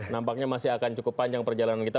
nampaknya masih akan cukup panjang perjalanan kita